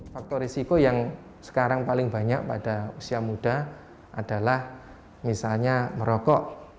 faktor risiko yang sekarang paling banyak pada usia muda adalah misalnya merokok